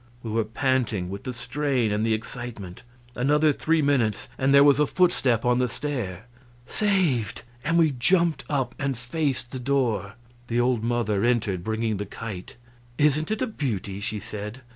We were panting with the strain and the excitement. Another three minutes, and there was a footstep on the stair. "Saved!" And we jumped up and faced the door. The old mother entered, bringing the kite. "Isn't it a beauty?" she said.